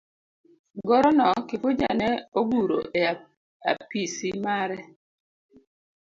Goro no Kifuja ne oguro e apisi mare.